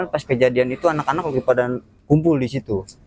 pas kejadian itu anak anak lagi pada kumpul di situ